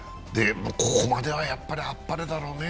ここまではやっぱり、あっぱれだろうね。